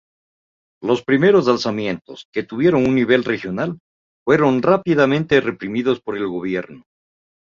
Los primeros alzamientos, que tuvieron un nivel regional, fueron rápidamente reprimidos por el gobierno.